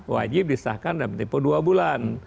wajib disahkan dan depo dua bulan